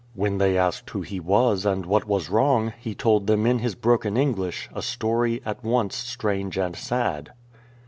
When they asked who he was and what was wrong, he told them in his broken English a story at once strange and sad.